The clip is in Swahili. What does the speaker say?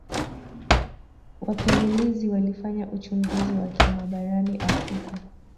wapelelezi walifanya uchunguzi wa kina barani afrika